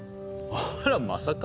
あらまさか。